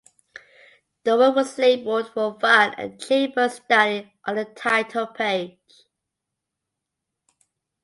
The work was labeled "for fun and chamber study" on the title page.